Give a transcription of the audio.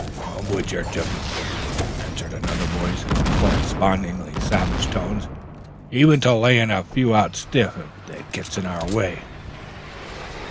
"I'm wid yer, Jim," answered another voice in correspondingly savage tones. "Even to layin' a few out stiff if dey gets in de way."